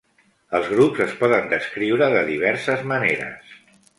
El grups es poden descriure de diverses maneres.